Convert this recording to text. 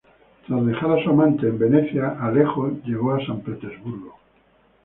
Tras dejar a su amante en Venecia, Alejo llegó a San Petersburgo.